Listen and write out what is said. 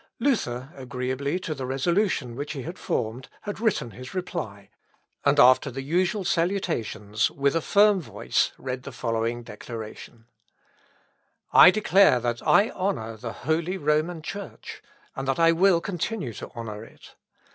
Luther, agreeably to the resolution which he had formed, had written his reply, and, after the usual salutations, with a firm voice read the following declaration: "I declare that I honour the holy Roman Church, and that I will continue to honour it.